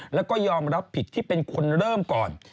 แล้วก็ยอมรับผิดที่เป็นคนเริ่มก่อน